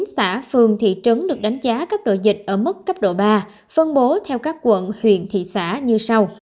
một trăm xã phường thị trấn được đánh giá cấp độ dịch ở mức cấp độ ba phân bố theo các quận huyện thị xã như sau